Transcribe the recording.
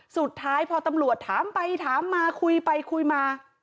สุดท้ายพอตำรวจถามไปถามมาคุยไปคุยมา